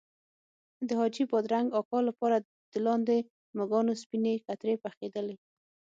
د حاجي بادرنګ اکا لپاره د لاندې مږانو سپینې کترې پخېدلې.